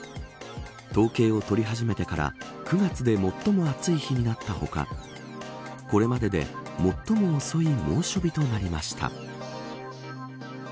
統計を取り始めてから９月で最も暑い日になった他これまでで最も遅い猛暑日となりました。